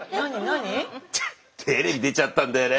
何？テレビ出ちゃったんだよね。